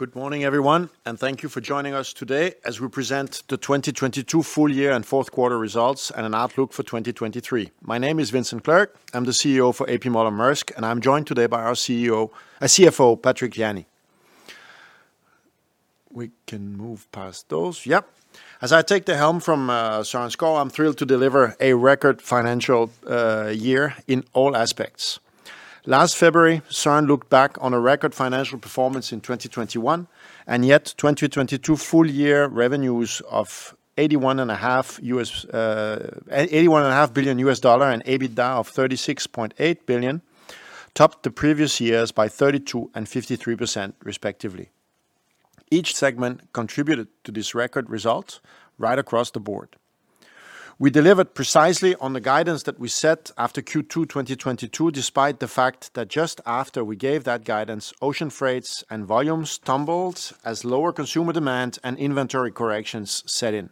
Good morning, everyone, thank you for joining us today as we present the 2022 full year and fourth quarter results and an outlook for 2023. My name is Vincent Clerc. I'm the CEO for A.P. Moller-Maersk, and I'm joined today by our CFO, Patrick Jany. We can move past those. As I take the helm from Søren Skou, I'm thrilled to deliver a record financial year in all aspects. Last February, Søren looked back on a record financial performance in 2021, and yet 2022 full year revenues of $81.5 billion and EBITDA of $36.8 billion topped the previous years by 32% and 53%, respectively. Each segment contributed to this record result right across the board. We delivered precisely on the guidance that we set after Q2 2022, despite the fact that just after we gave that guidance, ocean freights and volumes tumbled as lower consumer demand and inventory corrections set in.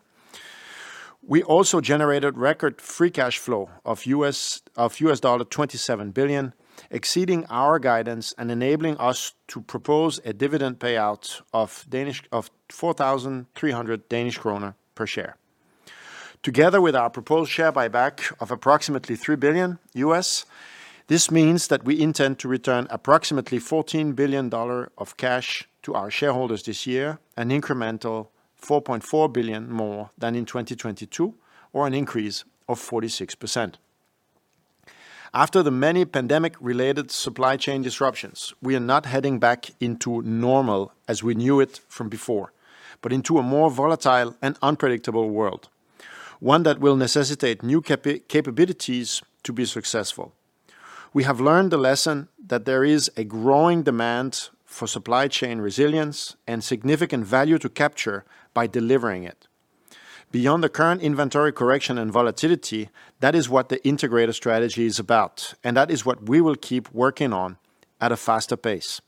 We also generated record free cash flow of $27 billion, exceeding our guidance and enabling us to propose a dividend payout of 4,300 Danish krone per share. Together with our proposed share buyback of approximately $3 billion, this means that we intend to return approximately $14 billion of cash to our shareholders this year, an incremental $4.4 billion more than in 2022, or an increase of 46%. After the many pandemic-related supply chain disruptions, we are not heading back into normal as we knew it from before, but into a more volatile and unpredictable world, one that will necessitate new capabilities to be successful. We have learned the lesson that there is a growing demand for supply chain resilience and significant value to capture by delivering it. Beyond the current inventory correction and volatility, that is what the integrator strategy is about, and that is what we will keep working on at a faster pace.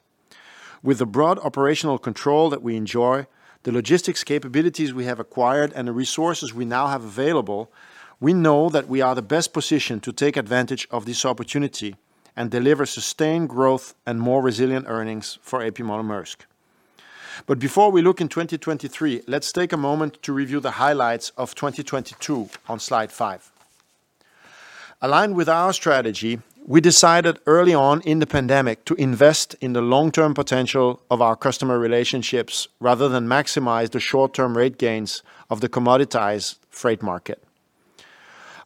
With the broad operational control that we enjoy, the logistics capabilities we have acquired, and the resources we now have available, we know that we are the best position to take advantage of this opportunity and deliver sustained growth and more resilient earnings for A.P. Moller-Maersk. Before we look in 2023, let's take a moment to review the highlights of 2022 on slide five. Aligned with our strategy, we decided early on in the pandemic to invest in the long-term potential of our customer relationships rather than maximize the short-term rate gains of the commoditized freight market.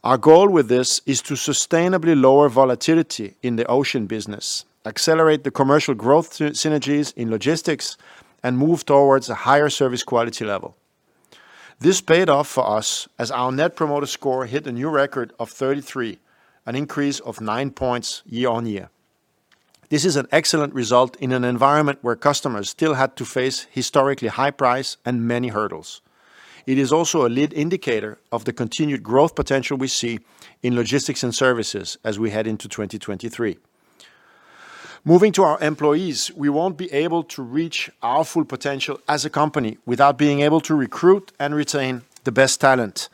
Our goal with this is to sustainably lower volatility in the ocean business, accelerate the commercial growth synergies in logistics, and move towards a higher service quality level. This paid off for us as our Net Promoter Score hit a new record of 33, an increase of 9 points year-on-year. This is an excellent result in an environment where customers still had to face historically high price and many hurdles. It is also a lead indicator of the continued growth potential we see in logistics and services as we head into 2023. Moving to our employees, we won't be able to reach our full potential as a company without being able to recruit and retain the best talent.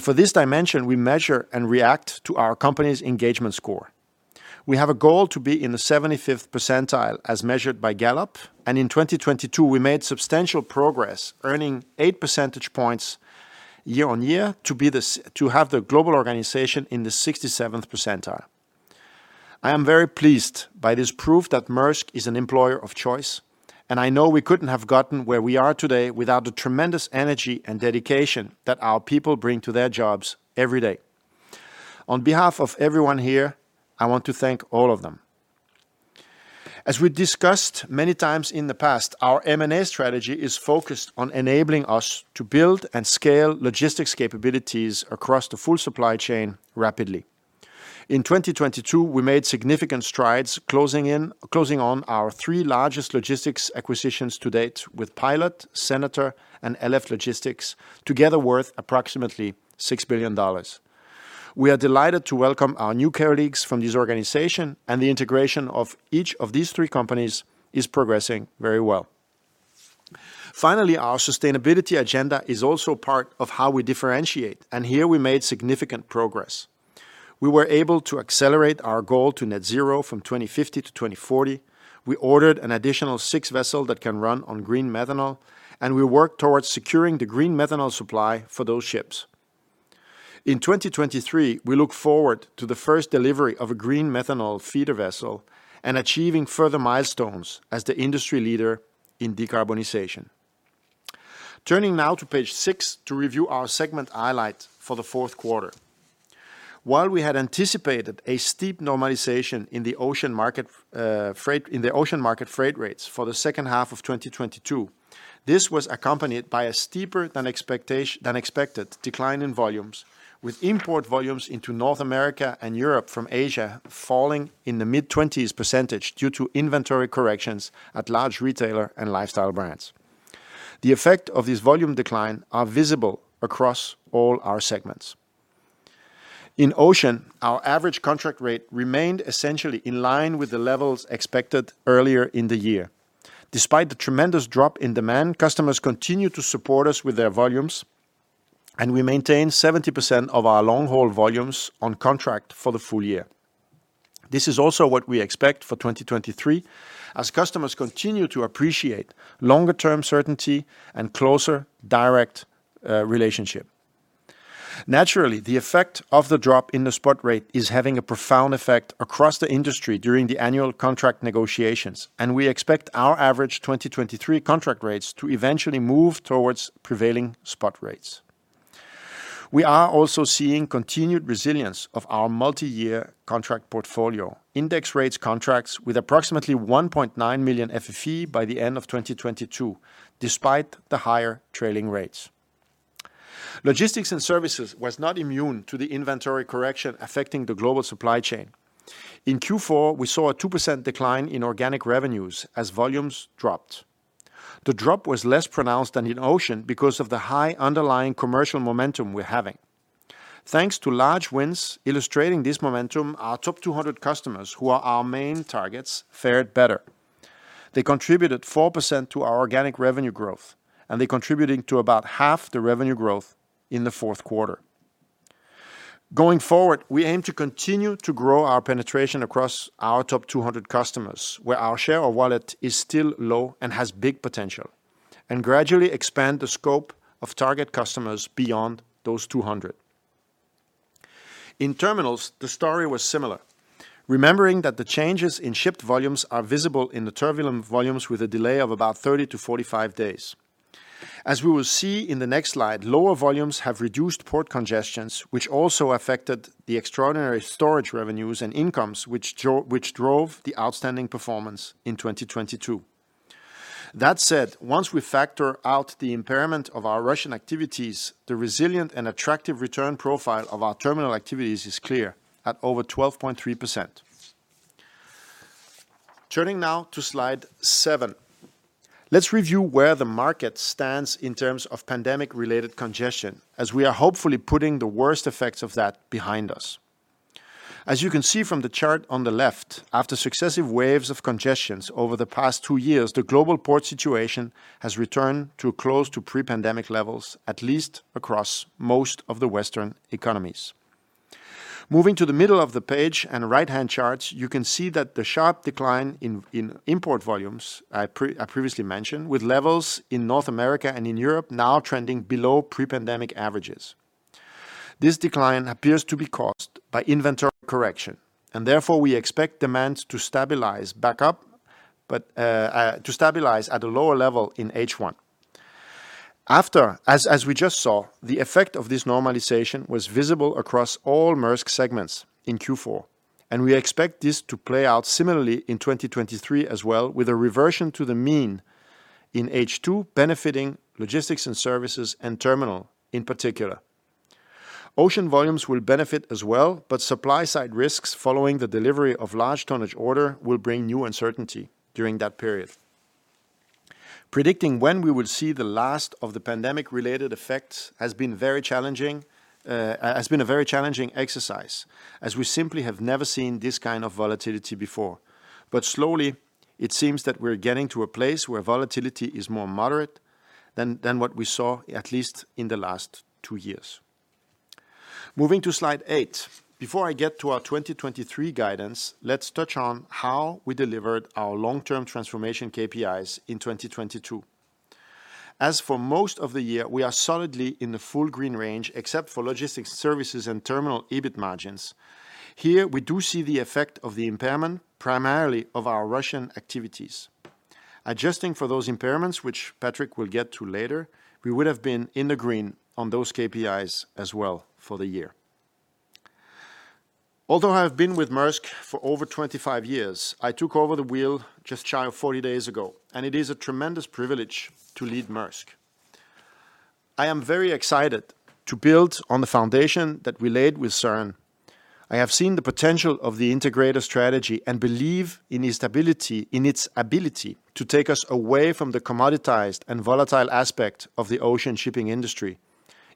For this dimension, we measure and react to our company's engagement score. We have a goal to be in the 75th percentile as measured by Gallup, and in 2022, we made substantial progress, earning 8 percentage points year-on-year to be the to have the global organization in the 67th percentile. I am very pleased by this proof that Maersk is an employer of choice, and I know we couldn't have gotten where we are today without the tremendous energy and dedication that our people bring to their jobs every day. On behalf of everyone here, I want to thank all of them. As we discussed many times in the past, our M&A strategy is focused on enabling us to build and scale logistics capabilities across the full supply chain rapidly. In 2022, we made significant strides closing on our three largest logistics acquisitions to date with Pilot, Senator, and LF Logistics, together worth approximately $6 billion. We are delighted to welcome our new colleagues from this organization. The integration of each of these three companies is progressing very well. Finally, our sustainability agenda is also part of how we differentiate. Here we made significant progress. We were able to accelerate our goal to net zero from 2050 to 2040. We ordered an additional six vessel that can run on green methanol. We work towards securing the green methanol supply for those ships. In 2023, we look forward to the first delivery of a green methanol feeder vessel and achieving further milestones as the industry leader in decarbonization. Turning now to page six to review our segment highlight for the fourth quarter. While we had anticipated a steep normalization in the ocean market, in the ocean market freight rates for the second half of 2022, this was accompanied by a steeper than expected decline in volumes, with import volumes into North America and Europe from Asia falling in the mid-20s percentage due to inventory corrections at large retailer and lifestyle brands. The effect of this volume decline are visible across all our segments. In ocean, our average contract rate remained essentially in line with the levels expected earlier in the year. Despite the tremendous drop in demand, customers continued to support us with their volumes. We maintain 70% of our long-haul volumes on contract for the full year. This is also what we expect for 2023 as customers continue to appreciate longer-term certainty and closer direct relationship. Naturally, the effect of the drop in the spot rate is having a profound effect across the industry during the annual contract negotiations, and we expect our average 2023 contract rates to eventually move towards prevailing spot rates. We are also seeing continued resilience of our multi-year contract portfolio, index rates contracts with approximately 1.9 million FFE by the end of 2022, despite the higher trailing rates. Logistics and services was not immune to the inventory correction affecting the global supply chain. In Q4, we saw a 2% decline in organic revenues as volumes dropped. The drop was less pronounced than in Ocean because of the high underlying commercial momentum we're having. Thanks to large wins illustrating this momentum, our top 200 customers, who are our main targets, fared better. They contributed 4% to our organic revenue growth, they're contributing to about half the revenue growth in the fourth quarter. Going forward, we aim to continue to grow our penetration across our top 200 customers, where our share of wallet is still low and has big potential, gradually expand the scope of target customers beyond those 200. In terminals, the story was similar. Remembering that the changes in shipped volumes are visible in the terminal volumes with a delay of about 30-45 days. As we will see in the next slide, lower volumes have reduced port congestions, which also affected the extraordinary storage revenues and incomes which drove the outstanding performance in 2022. That said, once we factor out the impairment of our Russian activities, the resilient and attractive return profile of our terminal activities is clear at over 12.3%. Turning now to slide seven. Let's review where the market stands in terms of pandemic-related congestion, as we are hopefully putting the worst effects of that behind us. As you can see from the chart on the left, after successive waves of congestions over the past two years, the global port situation has returned to close to pre-pandemic levels, at least across most of the Western economies. Moving to the middle of the page and right-hand charts, you can see that the sharp decline in import volumes I previously mentioned, with levels in North America and in Europe now trending below pre-pandemic averages. This decline appears to be caused by inventory correction, and therefore we expect demand to stabilize back up, but to stabilize at a lower level in H1. As we just saw, the effect of this normalization was visible across all Maersk segments in Q4, and we expect this to play out similarly in 2023 as well, with a reversion to the mean in H2 benefiting logistics and services and terminal in particular. Ocean volumes will benefit as well, but supply-side risks following the delivery of large tonnage order will bring new uncertainty during that period. Predicting when we will see the last of the pandemic-related effects has been very challenging, has been a very challenging exercise, as we simply have never seen this kind of volatility before. Slowly, it seems that we're getting to a place where volatility is more moderate than what we saw, at least in the last two years. Moving to slide eight. Before I get to our 2023 guidance, let's touch on how we delivered our long-term transformation KPIs in 2022. As for most of the year, we are solidly in the full green range, except for logistics services and terminal EBIT margins. Here we do see the effect of the impairment, primarily of our Russian activities. Adjusting for those impairments, which Patrick will get to later, we would have been in the green on those KPIs as well for the year. Although I have been with Maersk for over 25 years, I took over the wheel just shy of 40 days ago, and it is a tremendous privilege to lead Maersk. I am very excited to build on the foundation that we laid with Søren. I have seen the potential of the integrator strategy and believe in its ability to take us away from the commoditized and volatile aspect of the ocean shipping industry,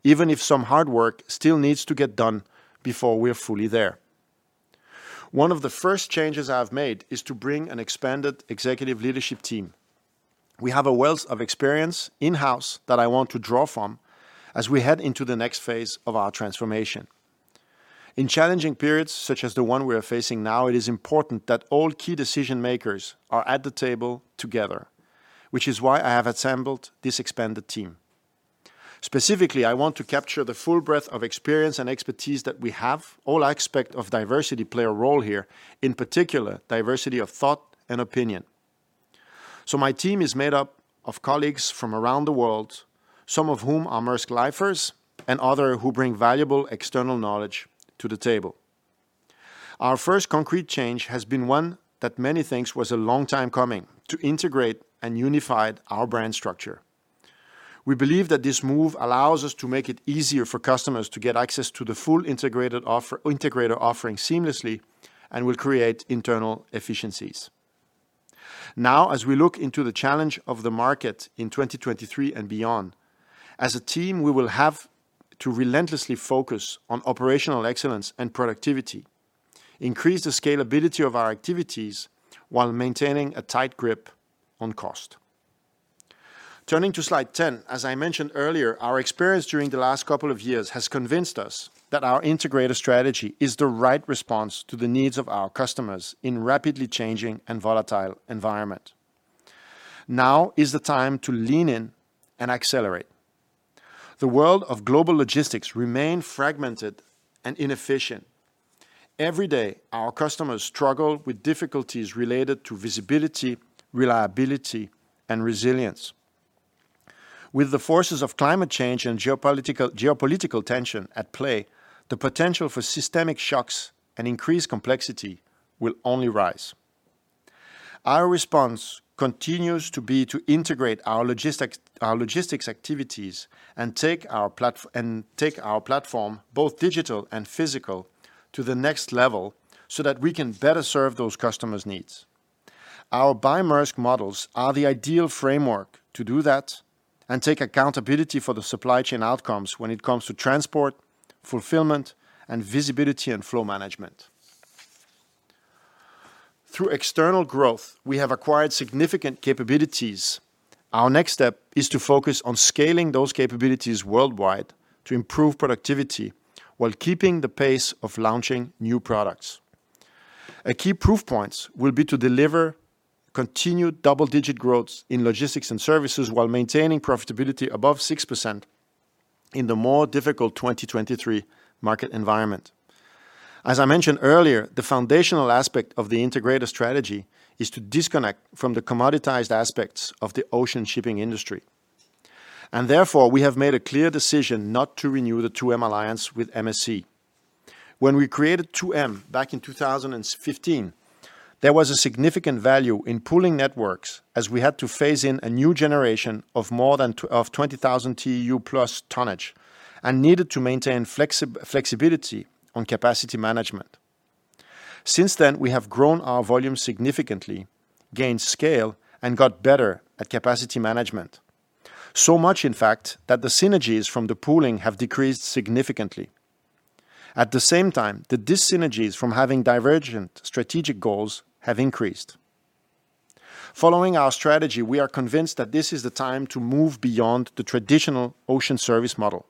even if some hard work still needs to get done before we are fully there. One of the first changes I have made is to bring an expanded executive leadership team. We have a wealth of experience in-house that I want to draw from as we head into the next phase of our transformation. In challenging periods, such as the one we are facing now, it is important that all key decision makers are at the table together, which is why I have assembled this expanded team. Specifically, I want to capture the full breadth of experience and expertise that we have. All aspects of diversity play a role here, in particular diversity of thought and opinion. My team is made up of colleagues from around the world, some of whom are Maersk lifers and others who bring valuable external knowledge to the table. Our first concrete change has been one that many think was a long time coming: to integrate and unify our brand structure. We believe that this move allows us to make it easier for customers to get access to the full integrated integrator offering seamlessly and will create internal efficiencies. Now, as we look into the challenge of the market in 2023 and beyond, as a team, we will have to relentlessly focus on operational excellence and productivity. Increase the scalability of our activities while maintaining a tight grip on cost. Turning to slide 10, as I mentioned earlier, our experience during the last couple of years has convinced us that our integrated strategy is the right response to the needs of our customers in rapidly changing and volatile environment. Now is the time to lean in and accelerate. The world of global logistics remain fragmented and inefficient. Every day, our customers struggle with difficulties related to visibility, reliability, and resilience. With the forces of climate change and geopolitical tension at play, the potential for systemic shocks and increased complexity will only rise. Our response continues to be to integrate our logistics activities and take our platform, both digital and physical, to the next level so that we can better serve those customers' needs. Our by Maersk models are the ideal framework to do that and take accountability for the supply chain outcomes when it comes to transport, fulfillment, and visibility and flow management. Through external growth, we have acquired significant capabilities. Our next step is to focus on scaling those capabilities worldwide to improve productivity while keeping the pace of launching new products. A key proof points will be to deliver continued double-digit growth in logistics and services while maintaining profitability above 6% in the more difficult 2023 market environment. As I mentioned earlier, the foundational aspect of the integrated strategy is to disconnect from the commoditized aspects of the ocean shipping industry. Therefore, we have made a clear decision not to renew the 2M Alliance with MSC. When we created 2M back in 2015, there was a significant value in pooling networks as we had to phase in a new generation of more than 20,000 TEU plus tonnage and needed to maintain flexibility on capacity management. Since then, we have grown our volume significantly, gained scale, and got better at capacity management. Much in fact that the synergies from the pooling have decreased significantly. At the same time, the dis-synergies from having divergent strategic goals have increased. Following our strategy, we are convinced that this is the time to move beyond the traditional ocean service model.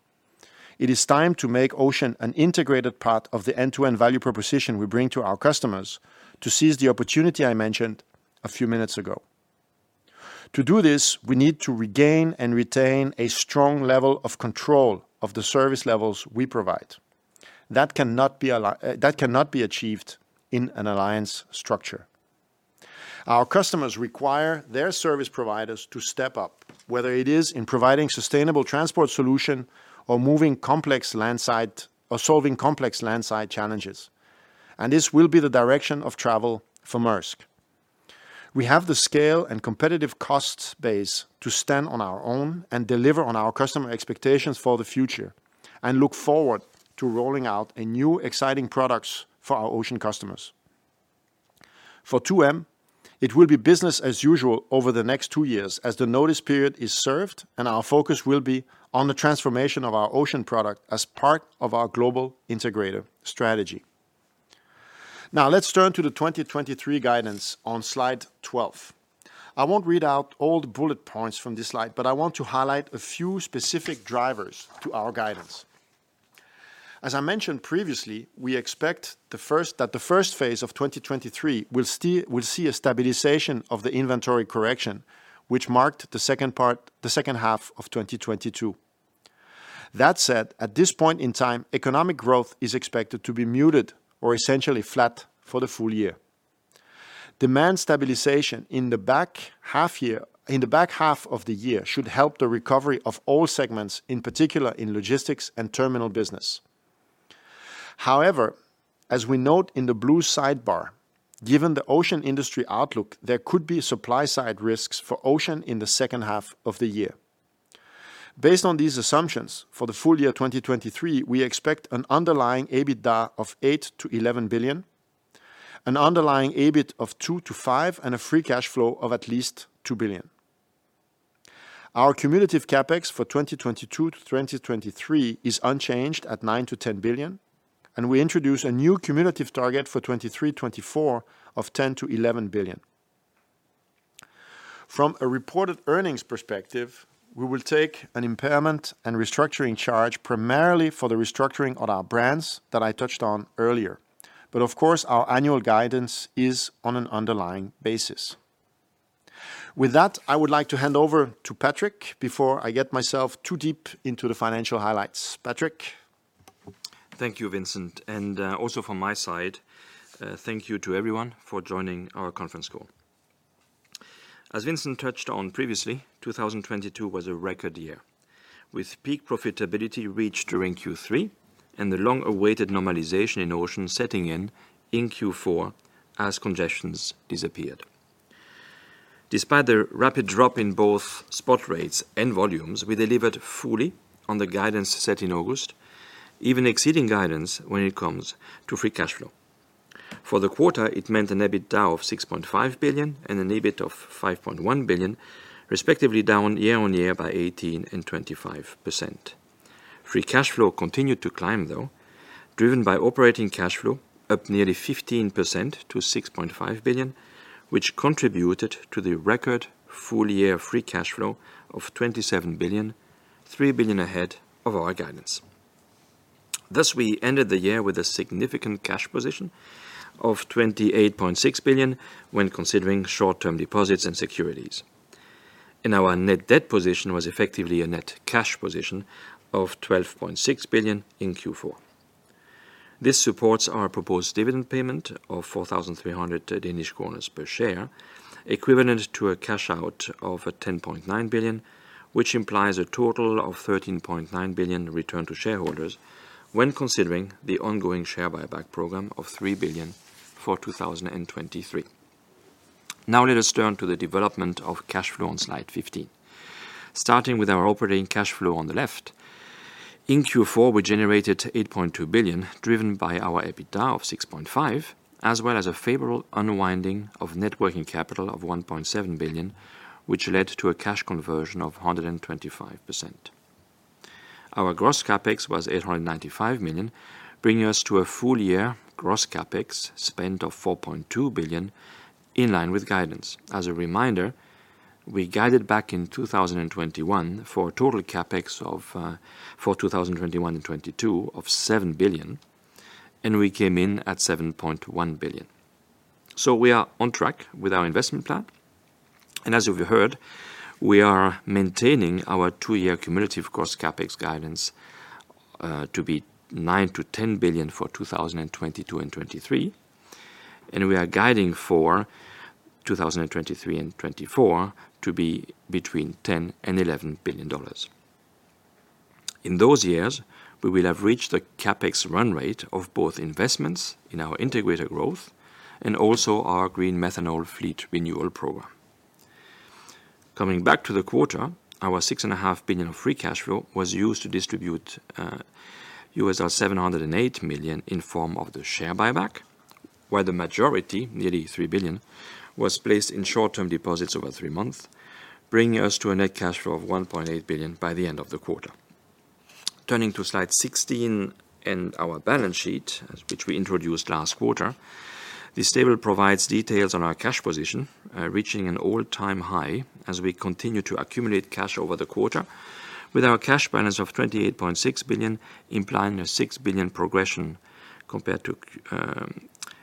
It is time to make ocean an integrated part of the end-to-end value proposition we bring to our customers to seize the opportunity I mentioned a few minutes ago. To do this, we need to regain and retain a strong level of control of the service levels we provide. That cannot be achieved in an alliance structure. Our customers require their service providers to step up, whether it is in providing sustainable transport solution or solving complex landside challenges. This will be the direction of travel for Maersk. We have the scale and competitive cost base to stand on our own and deliver on our customer expectations for the future and look forward to rolling out a new exciting products for our ocean customers. For 2M, it will be business as usual over the next two years as the notice period is served, and our focus will be on the transformation of our ocean product as part of our global integrated strategy. Let's turn to the 2023 guidance on slide 12. I won't read out all the bullet points from this slide, but I want to highlight a few specific drivers to our guidance. As I mentioned previously, we expect that the first phase of 2023 will see a stabilization of the inventory correction, which marked the second part, the second half of 2022. That said, at this point in time, economic growth is expected to be muted or essentially flat for the full year. Demand stabilization in the back half of the year should help the recovery of all segments, in particular in logistics and terminal business. As we note in the blue sidebar, given the ocean industry outlook, there could be supply-side risks for ocean in the second half of the year. Based on these assumptions, for the full year 2023, we expect an underlying EBITDA of $8 billion-$11 billion, an underlying EBIT of $2 billion-$5 billion, and a free cash flow of at least $2 billion. Our cumulative CapEx for 2022-2023 is unchanged at $9 billion-$10 billion. We introduce a new cumulative target for 2023-2024 of $10 billion-$11 billion. From a reported earnings perspective, we will take an impairment and restructuring charge primarily for the restructuring of our brands that I touched on earlier. Of course, our annual guidance is on an underlying basis. With that, I would like to hand over to Patrick before I get myself too deep into the financial highlights. Patrick? Thank you, Vincent. Also from my side, thank you to everyone for joining our conference call. As Vincent touched on previously, 2022 was a record year, with peak profitability reached during Q3 and the long-awaited normalization in ocean setting in Q4 as congestions disappeared. Despite the rapid drop in both spot rates and volumes, we delivered fully on the guidance set in August, even exceeding guidance when it comes to free cash flow. For the quarter, it meant an EBITDA of $6.5 billion and an EBIT of $5.1 billion, respectively down year-on-year by 18% and 25%. Free cash flow continued to climb, though, driven by operating cash flow up nearly 15% to $6.5 billion, which contributed to the record full year free cash flow of $27 billion, $3 billion ahead of our guidance. We ended the year with a significant cash position of $28.6 billion when considering short-term deposits and securities. Our net debt position was effectively a net cash position of $12.6 billion in Q4. This supports our proposed dividend payment of 4,300 Danish kroner per share, equivalent to a cash out of 10.9 billion, which implies a total of 13.9 billion returned to shareholders when considering the ongoing share buyback program of 3 billion for 2023. Let us turn to the development of cash flow on slide 15. Starting with our operating cash flow on the left. In Q4, we generated $8.2 billion, driven by our EBITDA of $6.5, as well as a favorable unwinding of net working capital of $1.7 billion, which led to a cash conversion of 125%. Our gross CapEx was $895 million, bringing us to a full year gross CapEx spend of $4.2 billion, in line with guidance. As a reminder, we guided back in 2021 for a total CapEx of for 2021 and 2022 of $7 billion, and we came in at $7.1 billion. We are on track with our investment plan. As you've heard, we are maintaining our two-year cumulative gross CapEx guidance to be $9 billion-$10 billion for 2022 and 2023, and we are guiding for 2023 and 2024 to be between $10 billion and $11 billion. In those years, we will have reached the CapEx run rate of both investments in our integrated growth and also our green methanol fleet renewal program. Coming back to the quarter, our $6.5 billion of free cash flow was used to distribute $708 million in form of the share buyback, where the majority, nearly $3 billion, was placed in short-term deposits over three months, bringing us to a net cash flow of $1.8 billion by the end of the quarter. Turning to slide 16 and our balance sheet, which we introduced last quarter. This table provides details on our cash position, reaching an all-time high as we continue to accumulate cash over the quarter with our cash balance of $28.6 billion, implying a $6 billion progression compared to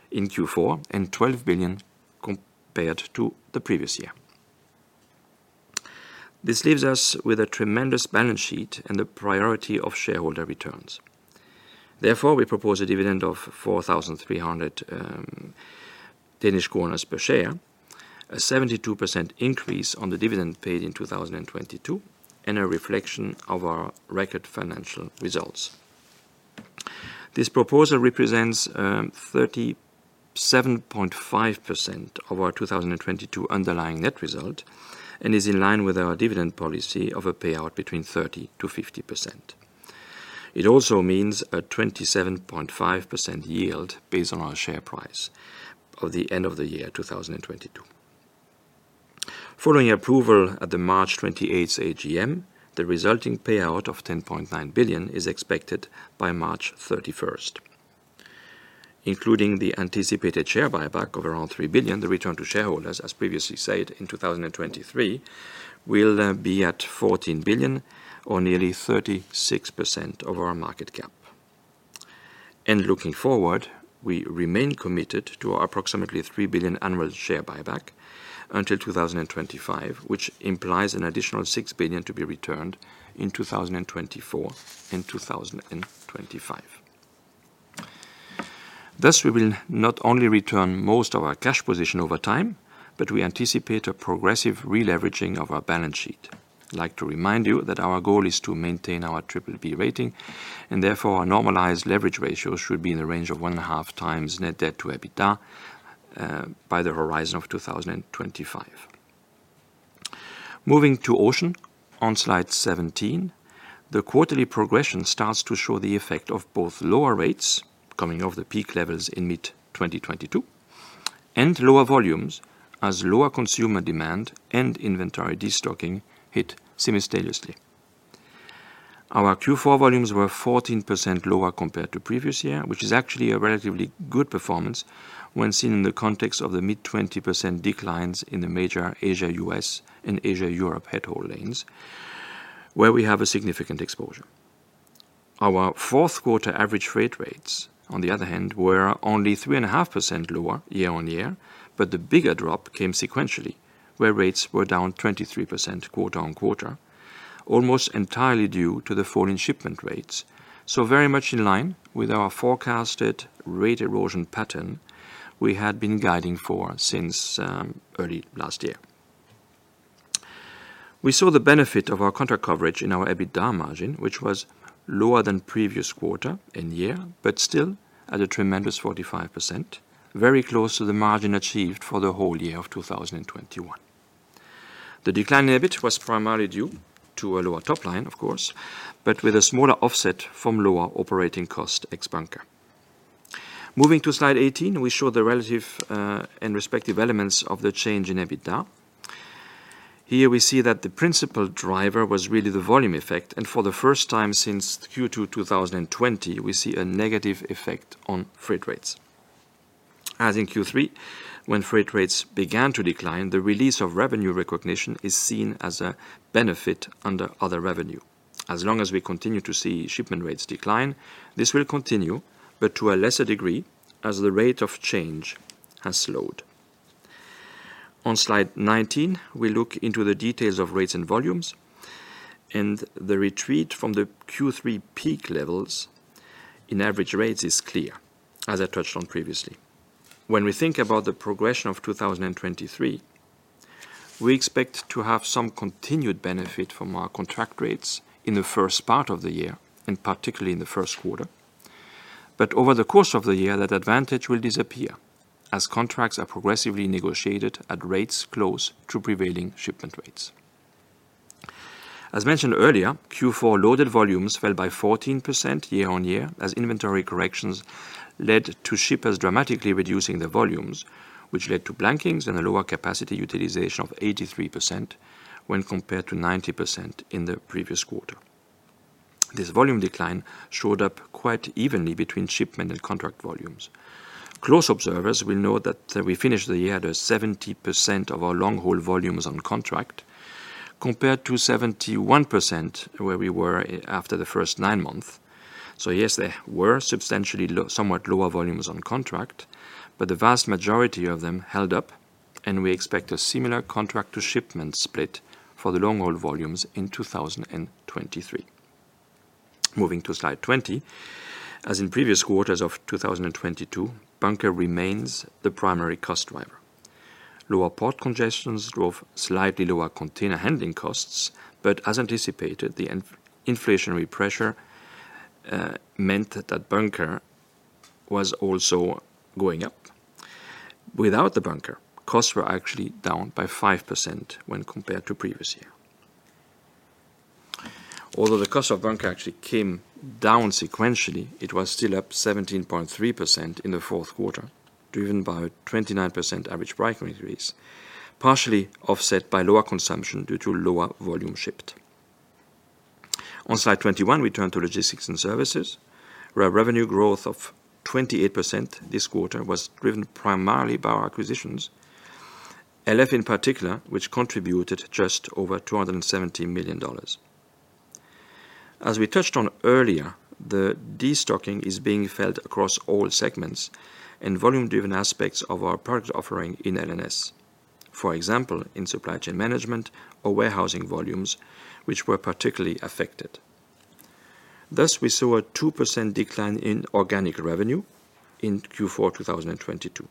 in Q4 and $12 billion compared to the previous year. This leaves us with a tremendous balance sheet and the priority of shareholder returns. We propose a dividend of 4,300 Danish kroner per share, a 72% increase on the dividend paid in 2022, and a reflection of our record financial results. This proposal represents 37.5% of our 2022 underlying net result and is in line with our dividend policy of a payout between 30%-50%. It also means a 27.5% yield based on our share price of the end of the year 2022. Following approval at the March 28th's AGM, the resulting payout of $10.9 billion is expected by March 31st. Including the anticipated share buyback of around $3 billion, the return to shareholders, as previously said, in 2023, will be at $14 billion or nearly 36% of our market cap. Looking forward, we remain committed to our approximately $3 billion annual share buyback until 2025, which implies an additional $6 billion to be returned in 2024 and 2025. We will not only return most of our cash position over time, but we anticipate a progressive releveraging of our balance sheet. I'd like to remind you that our goal is to maintain our BBB rating. Therefore, our normalized leverage ratio should be in the range of 1.5 times net debt to EBITDA by the horizon of 2025. Moving to ocean on slide 17, the quarterly progression starts to show the effect of both lower rates coming off the peak levels in mid-2022 and lower volumes as lower consumer demand and inventory destocking hit simultaneously. Our Q4 volumes were 14% lower compared to previous year, which is actually a relatively good performance when seen in the context of the mid-20% declines in the major Asia-US and Asia-Europe head haul lanes, where we have a significant exposure. Our fourth quarter average freight rates, on the other hand, were only 3.5% lower year-on-year, but the bigger drop came sequentially, where rates were down 23% quarter-on-quarter, almost entirely due to the fall in shipment rates. Very much in line with our forecasted rate erosion pattern we had been guiding for since early last year. We saw the benefit of our contract coverage in our EBITDA margin, which was lower than previous quarter and year, but still at a tremendous 45%, very close to the margin achieved for the whole year of 2021. The decline in EBIT was primarily due to a lower top line, of course, but with a smaller offset from lower operating cost ex bunker. Moving to slide 18, we show the relative and respective elements of the change in EBITDA. Here we see that the principal driver was really the volume effect, for the first time since Q2 2020, we see a negative effect on freight rates. As in Q3, when freight rates began to decline, the release of revenue recognition is seen as a benefit under other revenue. As long as we continue to see shipment rates decline, this will continue, but to a lesser degree as the rate of change has slowed. On slide 19, we look into the details of rates and volumes, the retreat from the Q3 peak levels in average rates is clear, as I touched on previously. When we think about the progression of 2023, we expect to have some continued benefit from our contract rates in the first part of the year, and particularly in the first quarter. Over the course of the year, that advantage will disappear as contracts are progressively negotiated at rates close to prevailing shipment rates. As mentioned earlier, Q4 loaded volumes fell by 14% year-over-year as inventory corrections led to shippers dramatically reducing the volumes, which led to blankings and a lower capacity utilization of 83% when compared to 90% in the previous quarter. This volume decline showed up quite evenly between shipment and contract volumes. Close observers will know that we finished the year at 70% of our long-haul volumes on contract, compared to 71% where we were after the first nine months. Yes, there were substantially somewhat lower volumes on contract, but the vast majority of them held up, and we expect a similar contract to shipment split for the long-haul volumes in 2023. Moving to slide 20. As in previous quarters of 2022, bunker remains the primary cost driver. Lower port congestions drove slightly lower container handling costs, but as anticipated, the inflationary pressure meant that bunker was also going up. Without the bunker, costs were actually down by 5% when compared to previous year. The cost of bunker actually came down sequentially, it was still up 17.3% in the fourth quarter, driven by a 29% average price increase, partially offset by lower consumption due to lower volume shipped. On slide 21, we turn to logistics and services, where revenue growth of 28% this quarter was driven primarily by our acquisitions, LF in particular, which contributed just over $270 million. As we touched on earlier, the destocking is being felt across all segments and volume-driven aspects of our product offering in LNS. For example, in supply chain management or warehousing volumes, which were particularly affected. We saw a 2% decline in organic revenue in Q4 2022.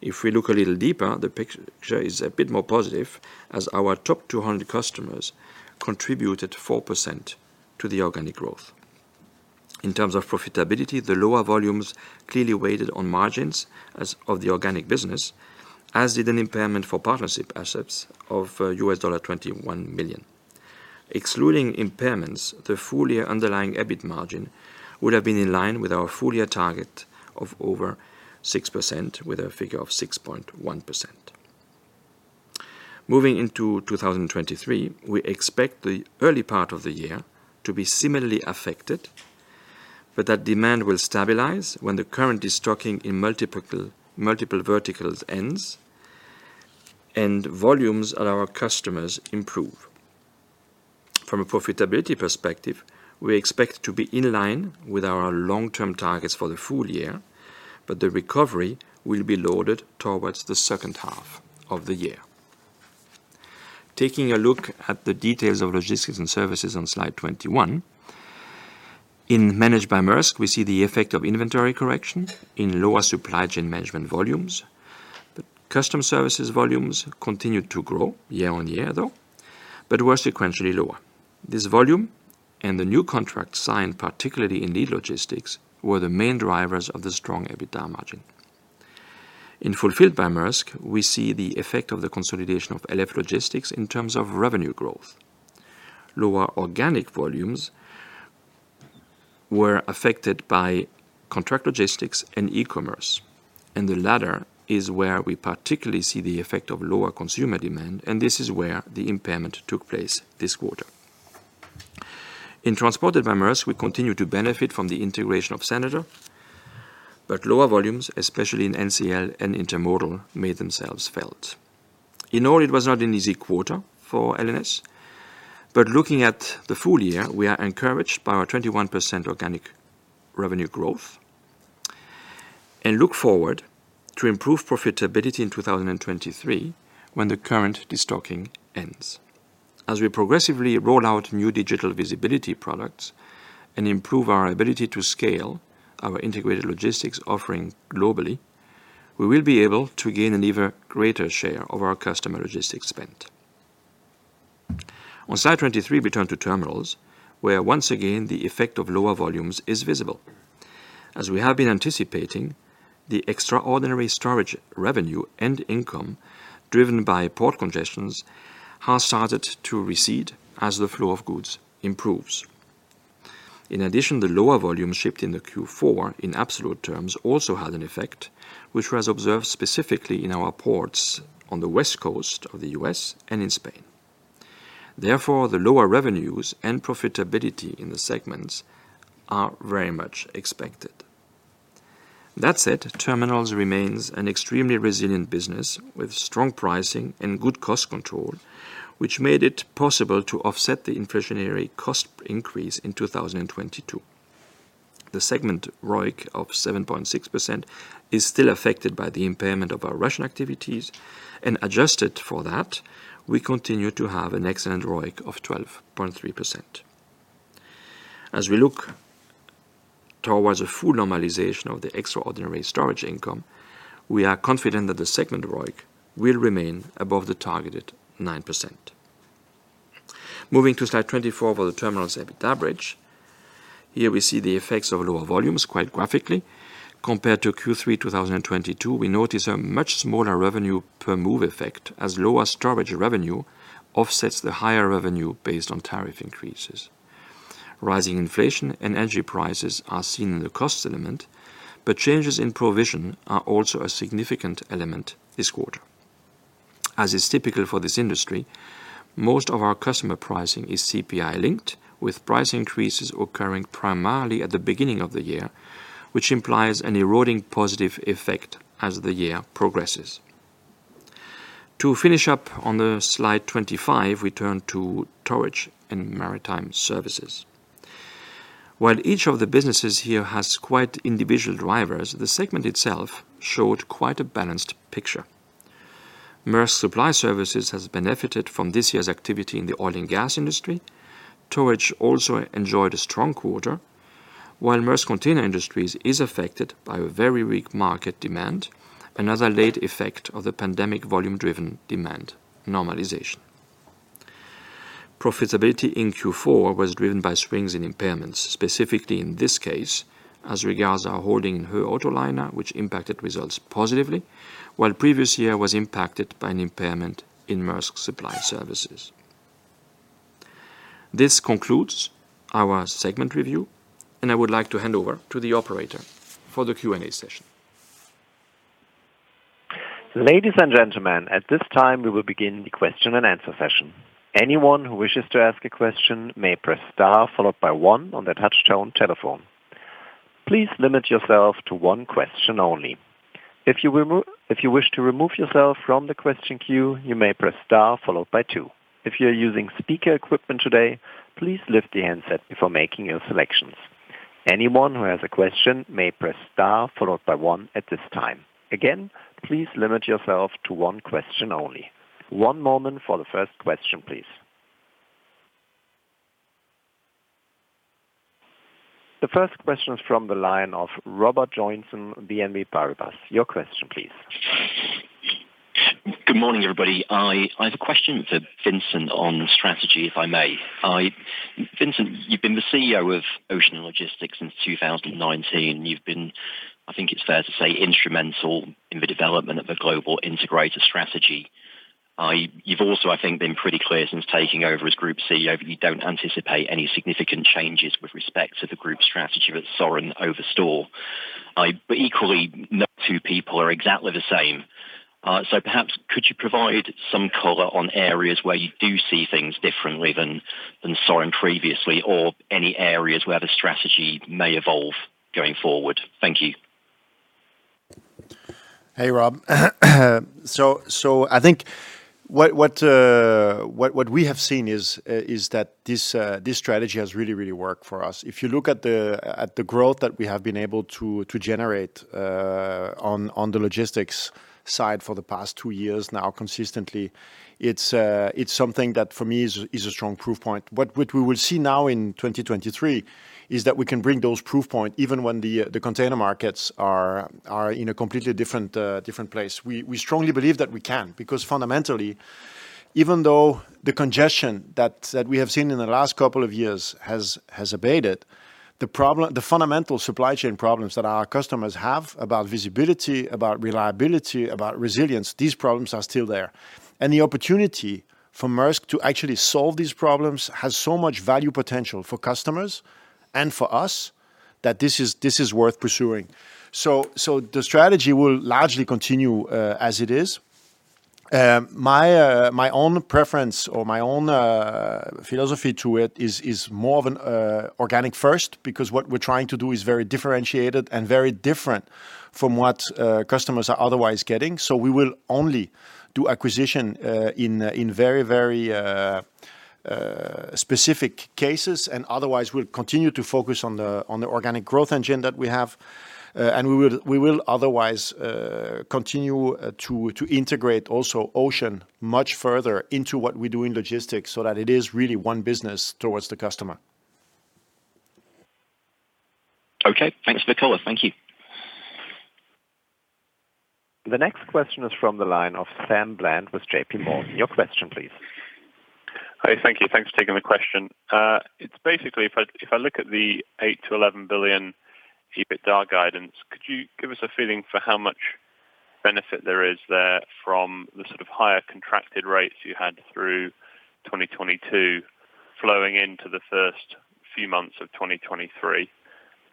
If we look a little deeper, the picture is a bit more positive as our top 200 customers contributed 4% to the organic growth. In terms of profitability, the lower volumes clearly weighted on margins as of the organic business, as did an impairment for partnership assets of $21 million. Excluding impairments, the full year underlying EBIT margin would have been in line with our full year target of over 6% with a figure of 6.1%. Moving into 2023, we expect the early part of the year to be similarly affected, that demand will stabilize when the current destocking in multiple verticals ends, and volumes at our customers improve. From a profitability perspective, we expect to be in line with our long-term targets for the full year, the recovery will be loaded towards the second half of the year. Taking a look at the details of logistics and services on slide 21. In Managed by Maersk, we see the effect of inventory correction in lower supply chain management volumes. The custom services volumes continued to grow year-on-year, though, were sequentially lower. This volume and the new contract signed, particularly in lead logistics, were the main drivers of the strong EBITDA margin. In Fulfilled by Maersk, we see the effect of the consolidation of LF Logistics in terms of revenue growth. Lower organic volumes were affected by contract logistics and e-commerce, and the latter is where we particularly see the effect of lower consumer demand, and this is where the impairment took place this quarter. In Transported by Maersk, we continue to benefit from the integration of Senator, but lower volumes, especially in NCL and Intermodal, made themselves felt. In all, it was not an easy quarter for LNS, but looking at the full year, we are encouraged by our 21% organic revenue growth and look forward to improved profitability in 2023 when the current destocking ends. As we progressively roll out new digital visibility products and improve our ability to scale our integrated logistics offering globally, we will be able to gain an even greater share of our customer logistics spend. On slide 23, we turn to terminals, where once again, the effect of lower volumes is visible. As we have been anticipating, the extraordinary storage revenue and income driven by port congestions has started to recede as the flow of goods improves. In addition, the lower volume shipped in the Q4 in absolute terms also had an effect which was observed specifically in our ports on the West Coast of the U.S. and in Spain. The lower revenues and profitability in the segments are very much expected. Terminals remains an extremely resilient business with strong pricing and good cost control, which made it possible to offset the inflationary cost increase in 2022. The segment ROIC of 7.6% is still affected by the impairment of our Russian activities, and adjusted for that, we continue to have an excellent ROIC of 12.3%. As we look towards a full normalization of the extraordinary storage income, we are confident that the segment ROIC will remain above the targeted 9%. Moving to slide 24 for the terminals EBIT average. Here we see the effects of lower volumes quite graphically. Compared to Q3 2022, we notice a much smaller revenue per move effect as lower storage revenue offsets the higher revenue based on tariff increases. Rising inflation and energy prices are seen in the cost element. Changes in provision are also a significant element this quarter. As is typical for this industry, most of our customer pricing is CPI linked, with price increases occurring primarily at the beginning of the year, which implies an eroding positive effect as the year progresses. To finish up on the slide 25, we turn to Towage and Maritime Services. While each of the businesses here has quite individual drivers, the segment itself showed quite a balanced picture. Maersk Supply Service has benefited from this year's activity in the oil and gas industry. Towage also enjoyed a strong quarter, while Maersk Container Industry is affected by a very weak market demand, another late effect of the pandemic volume-driven demand normalization. Profitability in Q4 was driven by swings in impairments, specifically in this case as regards our holding in Höegh Autoliners, which impacted results positively, while previous year was impacted by an impairment in Maersk Supply Service. This concludes our segment review, and I would like to hand over to the operator for the Q&A session. Ladies and gentlemen, at this time we will begin the question and answer session. Anyone who wishes to ask a question may press star followed by one on their touchtone telephone. Please limit yourself to one question only. If you wish to remove yourself from the question queue, you may press star followed by two. If you're using speaker equipment today, please lift the handset before making your selections. Anyone who has a question may press star followed by one at this time. Again, please limit yourself to one question only. One moment for the first question, please. The first question is from the line of Robert Joynson, BNP Paribas. Your question, please. Good morning, everybody. I have a question for Vincent on strategy, if I may. Vincent, you've been the CEO of Ocean Logistics since 2019. You've been, I think it's fair to say, instrumental in the development of the global integrator strategy. You've also, I think, been pretty clear since taking over as group CEO that you don't anticipate any significant changes with respect to the group strategy with Søren over store. Equally, no two people are exactly the same. Perhaps could you provide some color on areas where you do see things differently than Søren previously or any areas where the strategy may evolve going forward? Thank you. Hey, Rob. I think what we have seen is that this strategy has really worked for us. If you look at the growth that we have been able to generate on the logistics side for the past two years now consistently, it's something that for me is a strong proof point. What we will see now in 2023 is that we can bring those proof point even when the container markets are in a completely different place. We strongly believe that we can, because fundamentally, even though the congestion that we have seen in the last couple of years has abated, the fundamental supply chain problems that our customers have about visibility, about reliability, about resilience, these problems are still there. The opportunity for Maersk to actually solve these problems has so much value potential for customers and for us that this is worth pursuing. The strategy will largely continue as it is. My own preference or my own philosophy to it is more of an organic first, because what we're trying to do is very differentiated and very different from what customers are otherwise getting. We will only do acquisition in very, very specific cases, and otherwise we'll continue to focus on the organic growth engine that we have. We will otherwise continue to integrate also Ocean much further into what we do in logistics so that it is really one business towards the customer. Okay. Thanks for the color. Thank you. The next question is from the line of Sam Bland with JPMorgan. Your question, please. Hi. Thank you. Thanks for taking the question. It's basically if I look at the $8 billion-$11 billion EBITDA guidance, could you give us a feeling for how much benefit there is there from the sort of higher contracted rates you had through 2022 flowing into the first few months of 2023.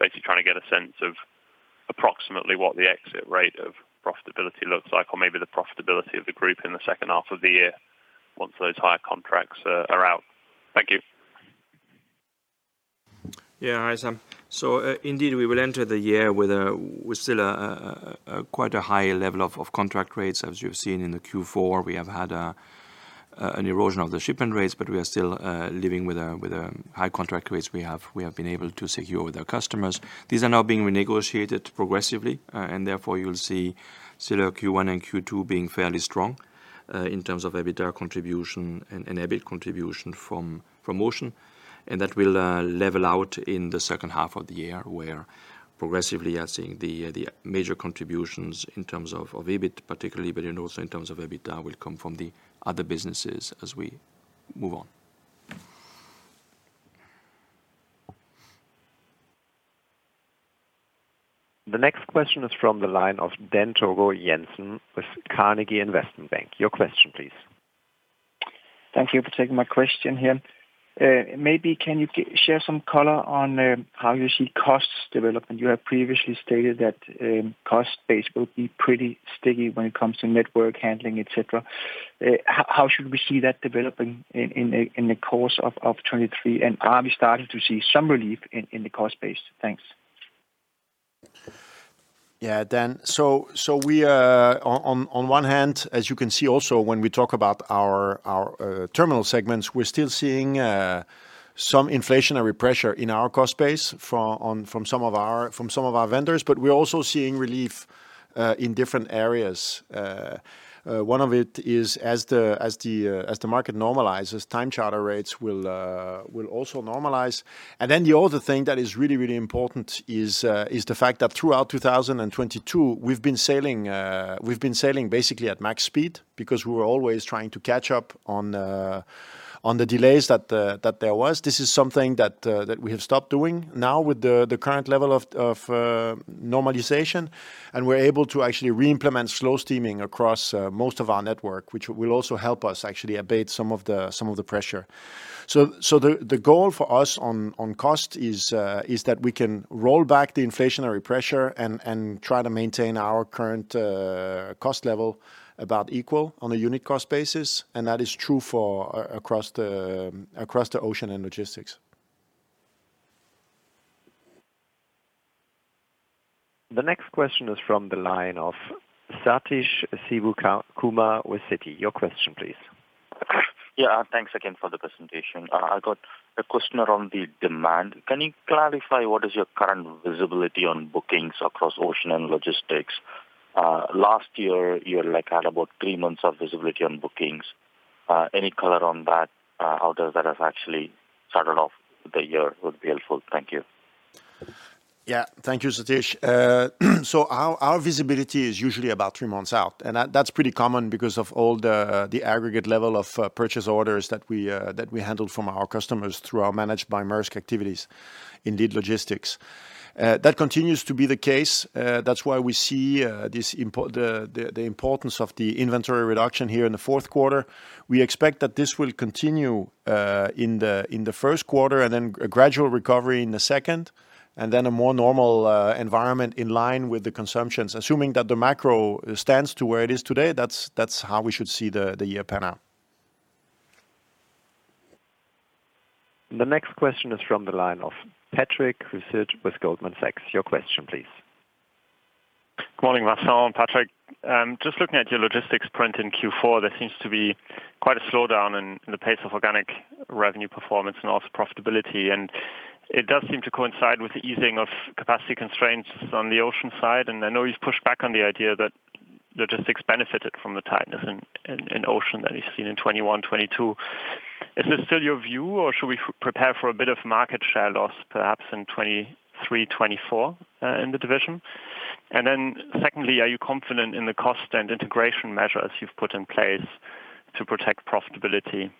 Basically, trying to get a sense of approximately what the exit rate of profitability looks like, or maybe the profitability of the group in the second half of the year once those higher contracts are out. Thank you. Yeah, all right. Indeed, we will enter the year with still a quite a high level of contract rates, as you've seen in the Q4. We have had an erosion of the shipment rates, but we are still living with a high contract rates we have been able to secure with our customers. These are now being renegotiated progressively, therefore, you'll see still our Q1 and Q2 being fairly strong, in terms of EBITDA contribution and EBIT contribution from Ocean. That will level out in the second half of the year, where progressively you are seeing the major contributions in terms of EBIT particularly, but then also in terms of EBITDA will come from the other businesses as we move on. The next question is from the line of Dan Togo Jensen with Carnegie Investment Bank. Your question please. Thank you for taking my question here. Maybe can you share some color on how you see costs development? You have previously stated that cost base will be pretty sticky when it comes to network handling, et cetera. How should we see that developing in the course of 2023? Are we starting to see some relief in the cost base? Thanks. Yeah, Dan. We, on one hand, as you can see also when we talk about our terminal segments, we're still seeing some inflationary pressure in our cost base from some of our vendors. We're also seeing relief in different areas. One of it is as the market normalizes, time charter rates will also normalize. The other thing that is really, really important is the fact that throughout 2022 we've been sailing basically at max speed because we were always trying to catch up on the delays that there was. This is something that we have stopped doing now with the current level of normalization. We're able to actually re-implement slow steaming across most of our network, which will also help us actually abate some of the pressure. The goal for us on cost is that we can roll back the inflationary pressure and try to maintain our current cost level about equal on a unit cost basis. That is true for across the Ocean and Logistics. The next question is from the line of Sathish Sivakumar with Citi. Your question please. Yeah. Thanks again for the presentation. I've got a question around the demand. Can you clarify what is your current visibility on bookings across Ocean and Logistics? Last year, you like had about three months of visibility on bookings. Any color on that? How does that have actually started off the year would be helpful. Thank you. Yeah. Thank you, Sathish. Our visibility is usually about three months out, and that's pretty common because of all the aggregate level of purchase orders that we handle from our customers through our Managed by Maersk activities in the logistics. That continues to be the case. That's why we see the importance of the inventory reduction here in the fourth quarter. We expect that this will continue in the first quarter and then a gradual recovery in the second, and then a more normal environment in line with the consumptions. Assuming that the macro stands to where it is today, that's how we should see the year pan out. The next question is from the line of Patrick Creuset with Goldman Sachs. Your question please. Good morning, Vincent and Patrick. Just looking at your logistics print in Q4, there seems to be quite a slowdown in the pace of organic revenue performance and also profitability. It does seem to coincide with the easing of capacity constraints on the Ocean side. I know you've pushed back on the idea that logistics benefited from the tightness in Ocean that is seen in 2021, 2022. Is this still your view, or should we prepare for a bit of market share loss perhaps in 2023, 2024 in the division? Secondly, are you confident in the cost and integration measures you've put in place to protect profitability?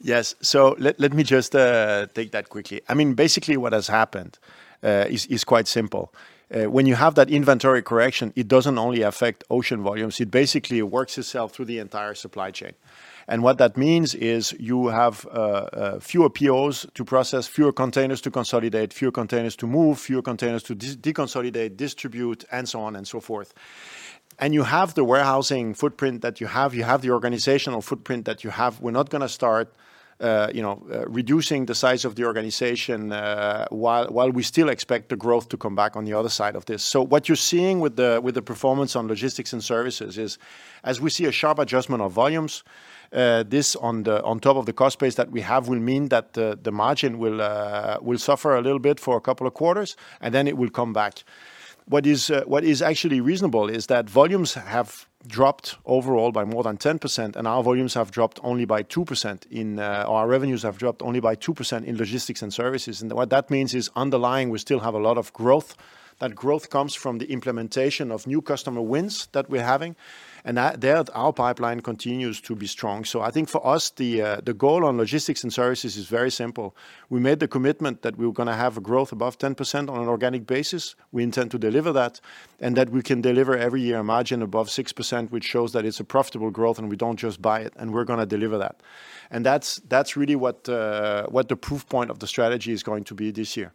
Yes. Let me just take that quickly. I mean, basically what has happened is quite simple. When you have that inventory correction, it doesn't only affect ocean volumes, it basically works itself through the entire supply chain. What that means is you have fewer POs to process, fewer containers to consolidate, fewer containers to move, fewer containers to deconsolidate, distribute, and so on and so forth. You have the warehousing footprint that you have. You have the organizational footprint that you have. We're not gonna start, you know, reducing the size of the organization while we still expect the growth to come back on the other side of this. What you're seeing with the performance on Logistics and Services is as we see a sharp adjustment of volumes, this on top of the cost base that we have, will mean that the margin will suffer a little bit for a couple of quarters, and then it will come back. What is actually reasonable is that volumes have dropped overall by more than 10%, and our volumes have dropped only by 2% in our revenues have dropped only by 2% in Logistics and Services. What that means is underlying, we still have a lot of growth. That growth comes from the implementation of new customer wins that we're having, and there our pipeline continues to be strong. I think for us, the goal on Logistics and Services is very simple. We made the commitment that we were gonna have a growth above 10% on an organic basis. We intend to deliver that. That we can deliver every year a margin above 6%, which shows that it's a profitable growth and we don't just buy it, and we're gonna deliver that. That's, that's really what the proof point of the strategy is going to be this year.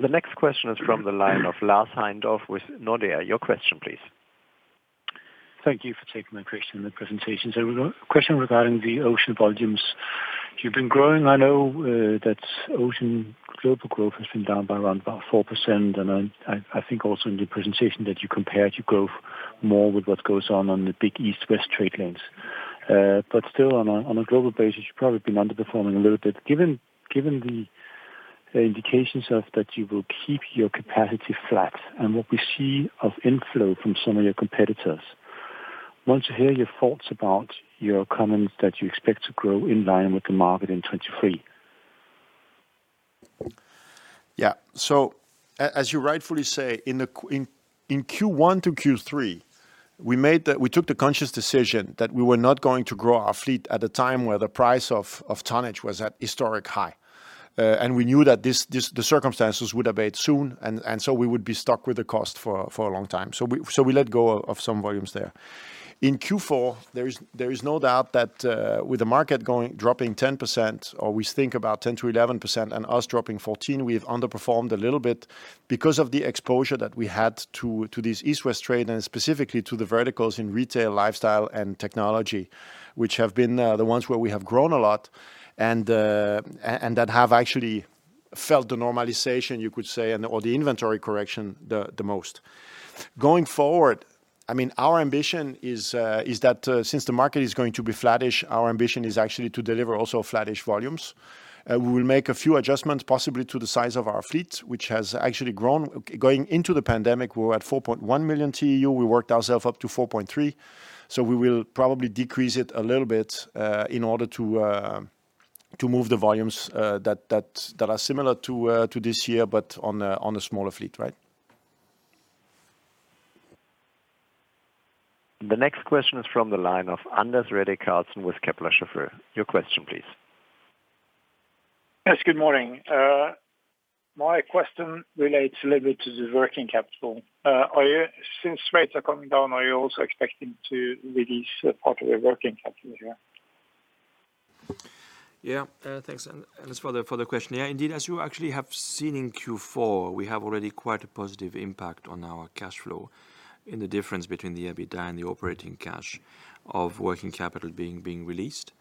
The next question is from the line of Lars Heindorff with Nordea. Your question, please. Thank you for taking my question and the presentation. Question regarding the ocean volumes. You've been growing. I know that ocean global growth has been down by around about 4%, and I think also in the presentation that you compare your growth more with what goes on on the big East-West trade lanes. Still on a global basis, you've probably been underperforming a little bit. Given the indications of that you will keep your capacity flat and what we see of inflow from some of your competitors, want to hear your thoughts about your comments that you expect to grow in line with the market in 23? As you rightfully say, in Q1 to Q3, we took the conscious decision that we were not going to grow our fleet at a time where the price of tonnage was at historic high. We knew that this the circumstances would abate soon and so we would be stuck with the cost for a long time. We let go of some volumes there. In Q4, there is no doubt that with the market going, dropping 10%, or we think about 10%-11% and us dropping 14%, we have underperformed a little bit because of the exposure that we had to this East-West trade and specifically to the verticals in retail, lifestyle and technology, which have been the ones where we have grown a lot and that have actually felt the normalization, you could say, and/or the inventory correction the most. Going forward, I mean, our ambition is that since the market is going to be flattish, our ambition is actually to deliver also flattish volumes. We will make a few adjustments possibly to the size of our fleet, which has actually grown. Going into the pandemic, we were at 4.1 million TEU. We worked ourself up to 4.3. We will probably decrease it a little bit in order to move the volumes that are similar to this year, but on a smaller fleet, right? The next question is from the line of Anders Redigh Karlsen with Kepler Cheuvreux. Your question please. Yes, good morning. My question relates a little bit to the working capital. Since rates are coming down, are you also expecting to release part of your working capital here? Yeah, thanks Anders for the question. Indeed, as you actually have seen in Q4, we have already quite a positive impact on our cash flow in the difference between the EBITDA and the operating cash of working capital being released.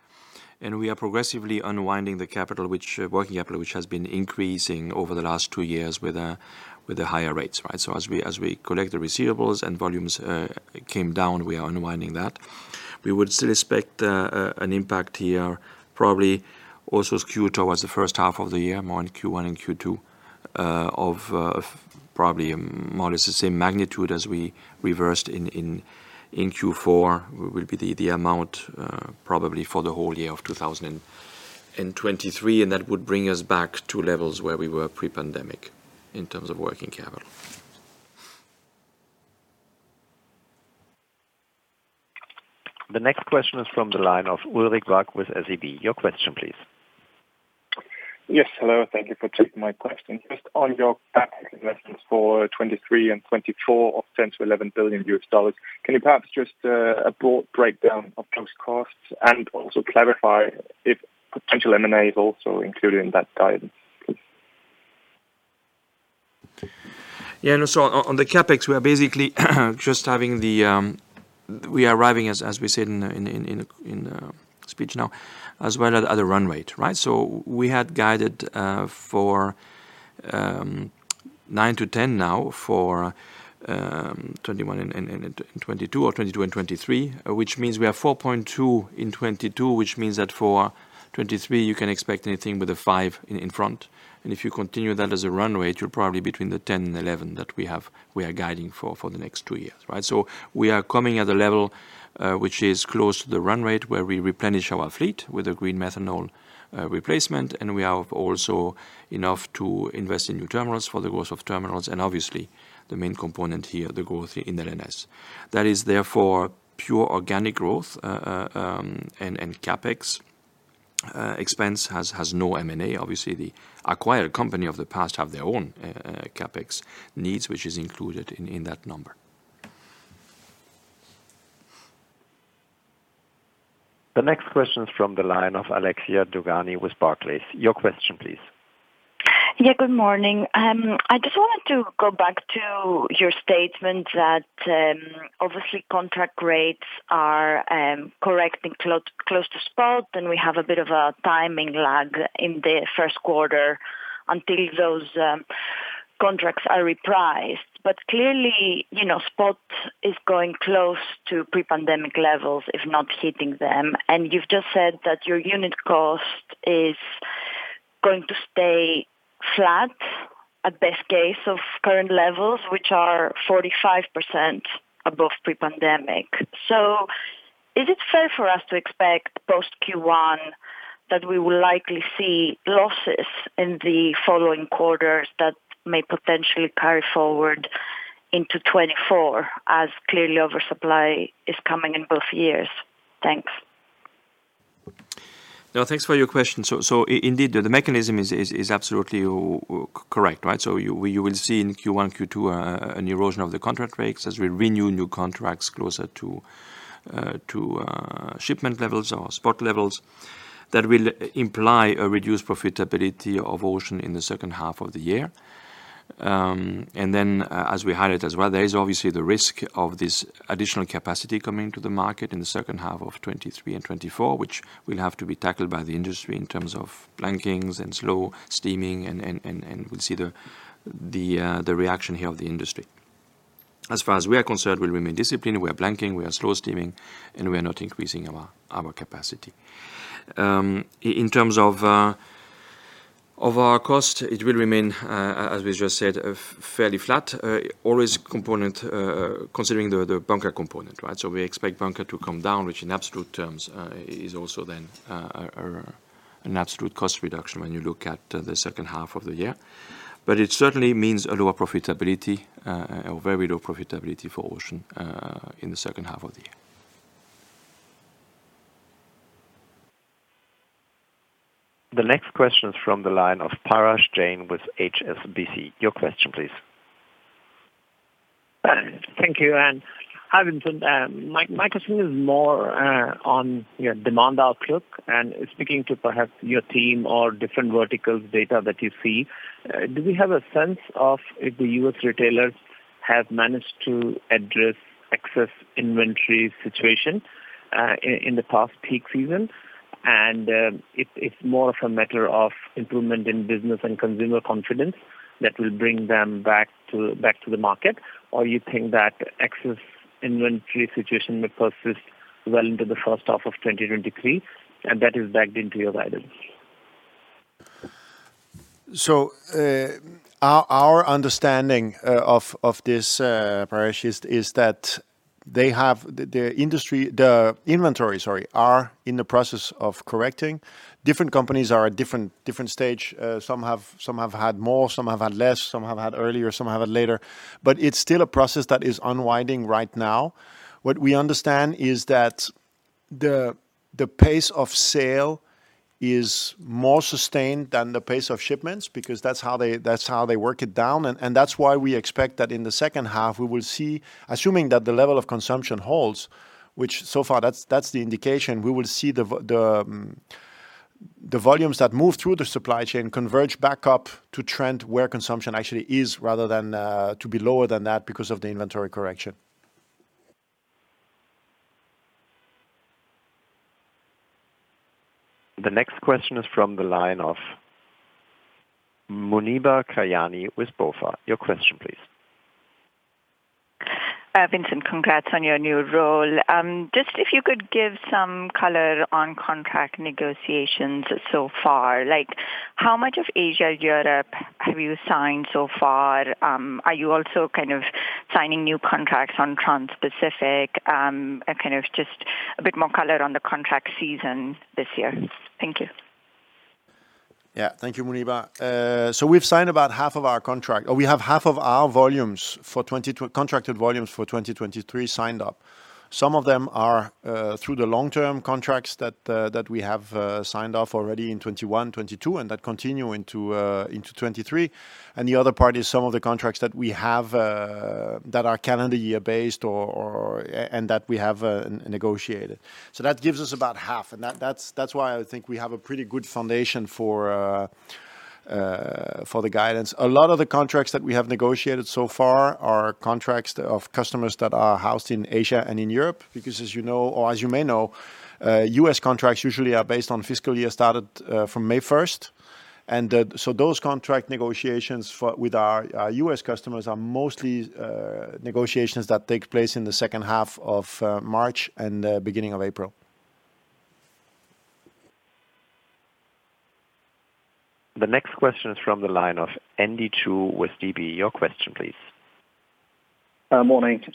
We are progressively unwinding the capital which, working capital, which has been increasing over the last two years with the higher rates, right? As we collect the receivables and volumes came down, we are unwinding that. We would still expect an impact here, probably also skewed towards the first half of the year, more in Q1 and Q2, of probably more or less the same magnitude as we reversed in Q4 will be the amount probably for the whole year of 2023, and that would bring us back to levels where we were pre-pandemic in terms of working capital. The next question is from the line of Ulrich Wack with SEB. Your question please. Yes. Hello. Thank you for taking my question. Just on your CapEx investments for 2023 and 2024 of $10 billion-$11 billion, can you perhaps just a broad breakdown of those costs and also clarify if potential M&A is also included in that guidance, please? No. On the CapEx, we are basically just having the. We are arriving as we said in the speech now, as well at the run rate, right? We had guided for 9-10 now for 2021 and 2022 or 2022 and 2023, which means we have 4.2 in 2022, which means that for 2023, you can expect anything with a five in front. If you continue that as a run rate, you're probably between the 10 and 11 that we have, we are guiding for the next two years, right? We are coming at a level which is close to the run rate, where we replenish our fleet with a green methanol replacement, and we have also enough to invest in new terminals for the growth of terminals and obviously the main component here, the growth in the NS. That is therefore pure organic growth, and CapEx expense has no M&A. The acquired company of the past have their own CapEx needs, which is included in that number. The next question is from the line of Alexia Dogani with Barclays. Your question please. Good morning. I just wanted to go back to your statement that obviously contract rates are correcting close to spot, and we have a bit of a timing lag in the first quarter until those contracts are repriced. Clearly, you know, spot is going close to pre-pandemic levels, if not hitting them. You've just said that your unit cost is going to stay flat at best case of current levels, which are 45% above pre-pandemic. Is it fair for us to expect post Q1 that we will likely see losses in the following quarters that may potentially carry forward into 2024, as clearly oversupply is coming in both years? Thanks. No, thanks for your question. Indeed, the mechanism is absolutely correct, right? You will see in Q1, Q2 an erosion of the contract rates as we renew new contracts closer to shipment levels or spot levels that will imply a reduced profitability of ocean in the second half of the year. As we highlighted as well, there is obviously the risk of this additional capacity coming to the market in the second half of 2023 and 2024, which will have to be tackled by the industry in terms of blankings and slow steaming and we'll see the reaction here of the industry. As far as we are concerned, we'll remain disciplined. We are blanking, we are slow steaming, and we are not increasing our capacity. In terms of our cost, it will remain as we just said, fairly flat, always component, considering the bunker component, right? We expect bunker to come down, which in absolute terms is also then an absolute cost reduction when you look at the second half of the year. It certainly means a lower profitability, a very low profitability for ocean, in the second half of the year. The next question is from the line of Parash Jain with HSBC. Your question please. Thank you. Hi, Vincent. My question is more on your demand outlook and speaking to perhaps your team or different verticals data that you see. Do we have a sense of if the U.S. retailers have managed to address excess inventory situation in the past peak season? It's more of a matter of improvement in business and consumer confidence that will bring them back to the market, or you think that excess inventory situation may persist well into the first half of 2023, and that is backed into your guidance? Our understanding of this, Parash, is that the industry, the inventory, sorry, are in the process of correcting. Different companies are at different stage. Some have had more, some have had less, some have had earlier, some have it later. It's still a process that is unwinding right now. What we understand is that the pace of sale is more sustained than the pace of shipments because that's how they work it down. That's why we expect that in the second half, we will see, assuming that the level of consumption holds, which so far that's the indication, we will see the volumes that move through the supply chain converge back up to trend where consumption actually is rather than to be lower than that because of the inventory correction. The next question is from the line of Muneeba Kayani with BofA. Your question, please. Vincent, congrats on your new role. Just if you could give some color on contract negotiations so far. Like, how much of Asia, Europe have you signed so far? Are you also kind of signing new contracts on Transpacific? Kind of just a bit more color on the contract season this year. Thank you. Yeah. Thank you, Muneeba. We've signed about half of our contract, or we have half of our volumes for contracted volumes for 2023 signed up. Some of them are through the long-term contracts that we have signed off already in 2021, 2022, and that continue into 2023. The other part is some of the contracts that we have that are calendar year-based or, and that we have negotiated. That gives us about half. That's why I think we have a pretty good foundation for for the guidance. A lot of the contracts that we have negotiated so far are contracts of customers that are housed in Asia and in Europe. Because as you know or as you may know, U.S. contracts usually are based on fiscal year started from May first. Those contract negotiations for, with our U.S. customers are mostly negotiations that take place in the second half of March and beginning of April. The next question is from the line of Andy Chu with Deutsche Bank. Your question, please. Morning.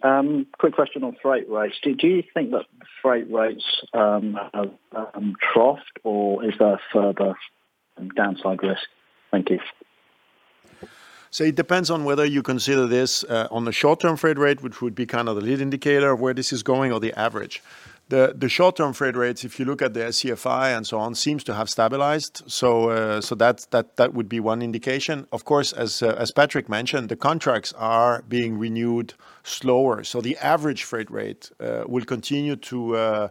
Quick question on freight rates. Do you think that freight rates troughed, or is there further downside risk? Thank you. It depends on whether you consider this on the short-term freight rate, which would be kind of the lead indicator of where this is going or the average. The short-term freight rates, if you look at the CFI and so on, seems to have stabilized. That's that would be one indication. Of course, as Patrick mentioned, the contracts are being renewed slower. The average freight rate will continue to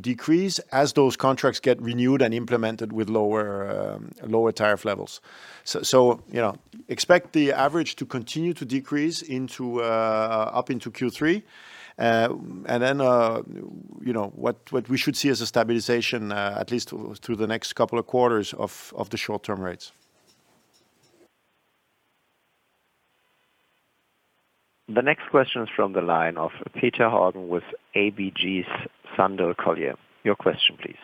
decrease as those contracts get renewed and implemented with lower lower tariff levels. You know, expect the average to continue to decrease into up into Q3. You know, what we should see is a stabilization at least through the next couple of quarters of the short-term rates. The next question is from the line of Petter Haugen with ABG Sundal Collier. Your question, please.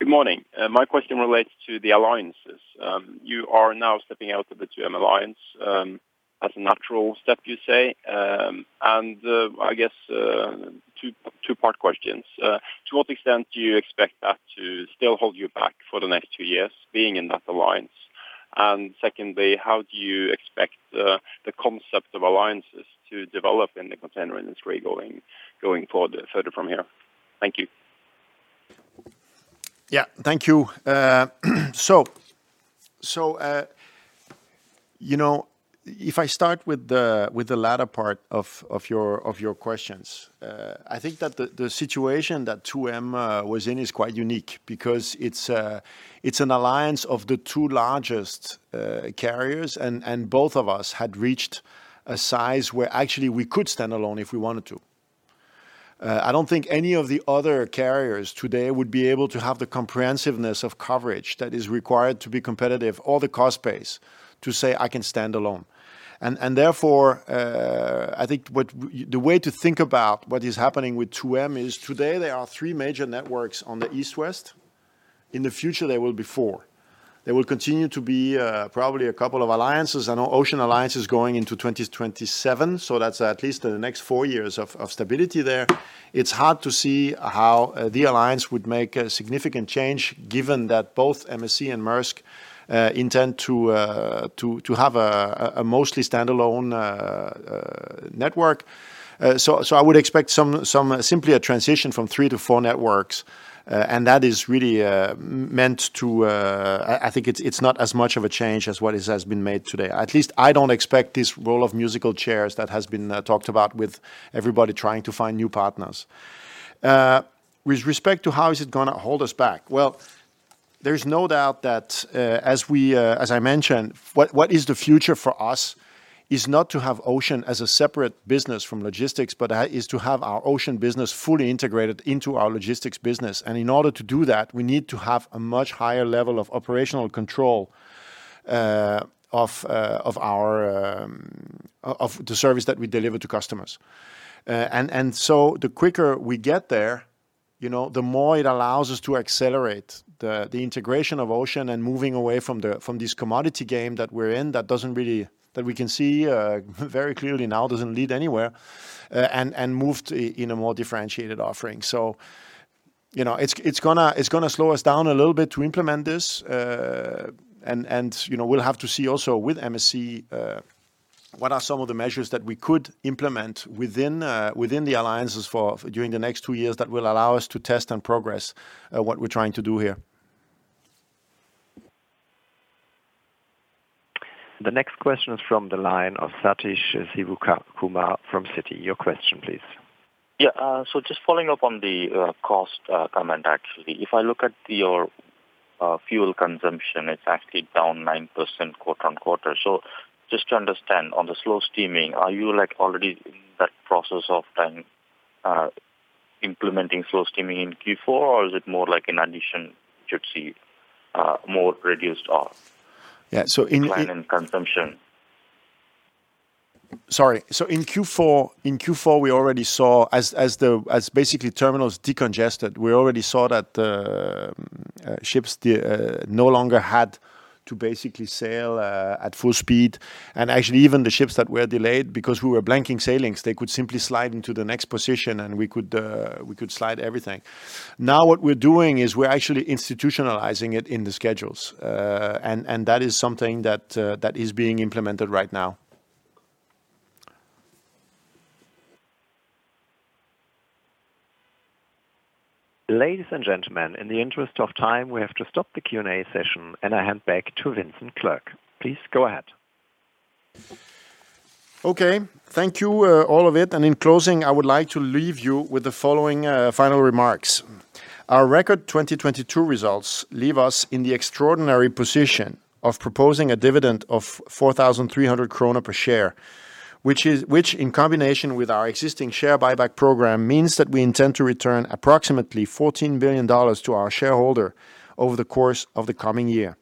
Good morning. My question relates to the alliances. You are now stepping out of the 2M Alliance, as a natural step you say. I guess two-part questions. To what extent do you expect that to still hold you back for the next two years being in that alliance? Secondly, how do you expect the concept of alliances to develop in the container industry going further from here? Thank you. Yeah. Thank you. So, you know, if I start with the latter part of your questions, I think that the situation that 2M was in is quite unique because it's an alliance of the two largest carriers and both of us had reached a size where actually we could stand alone if we wanted to. I don't think any of the other carriers today would be able to have the comprehensiveness of coverage that is required to be competitive or the cost base to say, "I can stand alone." Therefore, I think the way to think about what is happening with 2M is today there are three major networks on the East, West. In the future, there will be four. There will continue to be probably a couple of alliances. I know Ocean Alliance is going into 2027, so that's at least the next four years of stability there. It's hard to see how the alliance would make a significant change given that both MSC and Maersk intend to have a mostly standalone network. So I would expect simply a transition from three to four networks, and that is really meant to. I think it's not as much of a change as what has been made today. At least I don't expect this role of musical chairs that has been talked about with everybody trying to find new partners. With respect to how is it going to hold us back. Well, there's no doubt that as we, as I mentioned, what is the future for us is not to have ocean as a separate business from logistics, but is to have our ocean business fully integrated into our logistics business. In order to do that, we need to have a much higher level of operational control of our service that we deliver to customers. The quicker we get there, you know, the more it allows us to accelerate the integration of ocean and moving away from this commodity game that we're in that doesn't really that we can see very clearly now doesn't lead anywhere, and move to in a more differentiated offering. You know, it's gonna slow us down a little bit to implement this. You know, we'll have to see also with MSC, what are some of the measures that we could implement within the alliances for during the next two years that will allow us to test and progress, what we're trying to do here. The next question is from the line of Sathish Sivakumar from Citi. Your question please. Yeah. just following up on the cost comment actually, if I look at your fuel consumption, it's actually down 9% quarter-on-quarter. Just to understand, on the slow steaming, are you like already in that process of then implementing slow steaming in Q4? Or is it more like an addition to see more reduced off-? Yeah. in Q- Decline in consumption? Sorry. In Q4 we already saw as the, as basically terminals decongested, we already saw that ships no longer had to basically sail at full speed. Actually, even the ships that were delayed because we were blanking sailings, they could simply slide into the next position, and we could slide everything. What we're doing is we're actually institutionalizing it in the schedules. That is something that is being implemented right now. Ladies and gentlemen, in the interest of time, we have to stop the Q&A session, and I hand back to Vincent Clerc. Please go ahead. Okay. Thank you, all of it. In closing, I would like to leave you with the following final remarks. Our record 2022 results leave us in the extraordinary position of proposing a dividend of 4,300 krone per share, which in combination with our existing share buyback program, means that we intend to return approximately $14 billion to our shareholder over the course of the coming year.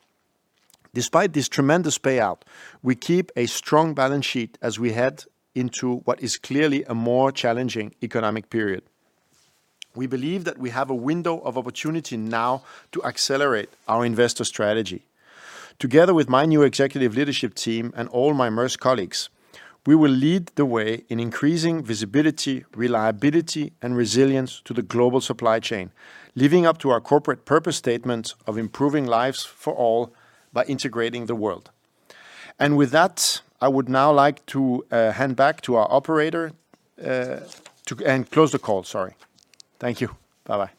Despite this tremendous payout, we keep a strong balance sheet as we head into what is clearly a more challenging economic period. We believe that we have a window of opportunity now to accelerate our investor strategy. Together with my new executive leadership team and all my Maersk colleagues, we will lead the way in increasing visibility, reliability, and resilience to the global supply chain, living up to our corporate purpose statement of improving lives for all by integrating the world. And with that, I would now like to hand back to our operator, close the call, sorry. Thank you. Bye-bye.